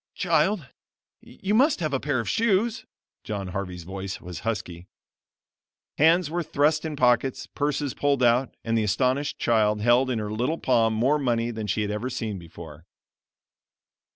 "Child you must have a pair of shoes." John Harvey's voice was husky. Hands were thrust in pockets, purses pulled out, and the astonished child held in her little palm more money than she had ever seen before.